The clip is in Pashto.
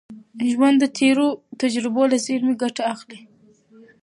ژوند د تېرو تجربو له زېرمي ګټه اخلي.